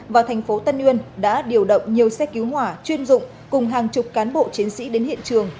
và thành phố tân uyên đã điều động nhiều xe cứu hỏa chuyên dụng cùng hàng chục cán bộ chiến sĩ đến hiện trường